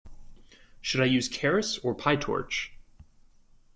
Should I use Keras or Pytorch?